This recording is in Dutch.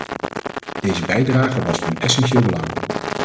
Deze bijdrage was van essentieel belang.